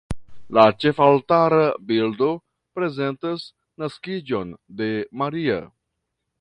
La ĉefaltara bildo prezentas Naskiĝon de Maria.